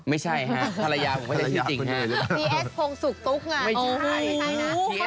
ไม่ใช่ฮะธรรยาผมไม่ใช่พี่จริงฮะ